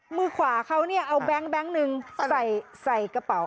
มือขวาเขาเอาแบงค์หนึ่งใส่กระเป๋า